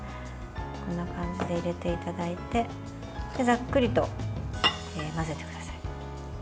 こんな感じで入れていただいてざっくりと混ぜてください。